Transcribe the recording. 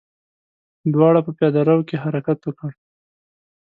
دواړو په پياده رو کې حرکت وکړ.